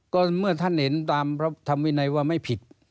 ก็เมื่อท่านเห็นตามพระธรรมวินัยว่าไม่ผิด